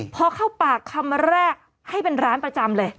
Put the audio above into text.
พอเข้าปากคำแรกให้เป็นร้านประจำเลย